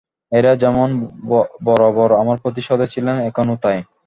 এঁরা যেমন বরাবর আমার প্রতি সদয় ছিলেন, এখনও তাই।